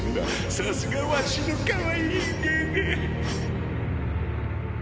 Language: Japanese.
さすがわしのかわいいゲゲ！